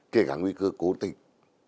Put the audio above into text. kể cả nguy cơ cố tình